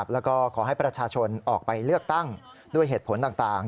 แล้วก็ขอให้ประชาชนออกไปเลือกตั้งด้วยเหตุผลต่าง